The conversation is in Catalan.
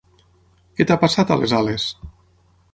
Què t'ha passat a les ales?